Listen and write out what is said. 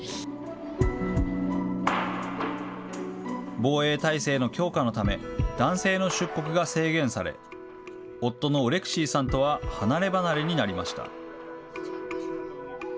防衛体制の強化のため、男性の出国が制限され、夫のオレクシイさんとは離れ離れになりました。